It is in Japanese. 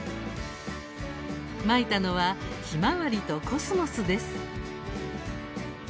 まいたのはひまわりとコスモスです。